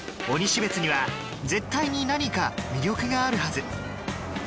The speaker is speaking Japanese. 鬼志別には絶対に何か魅力があるはず